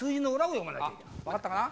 分かったかな？